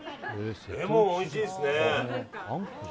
レモンおいしいですね。